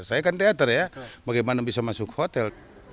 saya kan teater ya bagaimana bisa masuk hotel